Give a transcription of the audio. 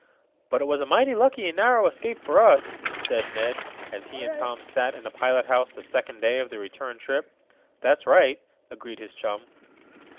"But it was a mighty lucky and narrow escape for us," said Ned, as he and Tom sat in the pilot house the second day of the return trip. "That's right," agreed his chum.